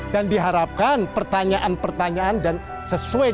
dan diharapkan pertanyaan pertanyaan sesuai